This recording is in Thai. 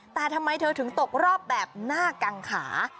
แต่ทำไมเธอถึงตกรอบแบบหน้ากังขา